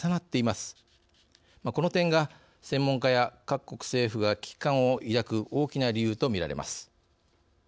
この点が専門家や各国政府が危機感を抱く大きな理由とみられます。